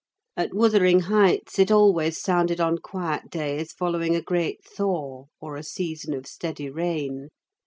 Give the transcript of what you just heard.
At Wuthering Heights it always sounded on quiet days following a great thaw or a season of steady rain.